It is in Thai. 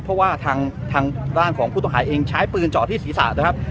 เพราะว่าทางด้านของผู้ต้องหาเองใช้ปืนเจาะที่ศีรษะนะครับ